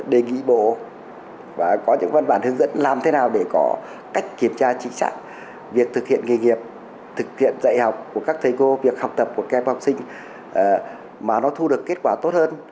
đề nghị bộ và có những văn bản hướng dẫn làm thế nào để có cách kiểm tra chính xác việc thực hiện nghề nghiệp thực hiện dạy học của các thầy cô việc học tập của các em học sinh mà nó thu được kết quả tốt hơn